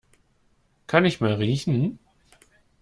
Kann ich mal riechen?